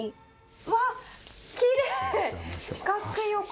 うわっ、きれい！